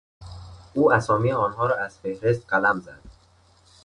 او اسامی آنها را از فهرست قلم زد.